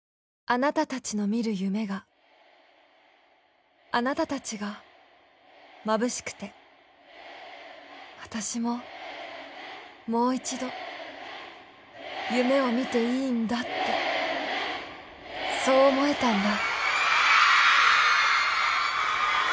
あなたたちの見る夢があなたたちがまぶしくて私ももう一度夢を見ていいんだってそう思えたんだ